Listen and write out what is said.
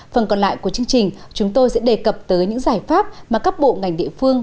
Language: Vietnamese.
phần còn lại của chương trình chúng tôi sẽ đề cập tới những giải pháp mà các bộ ngành địa phương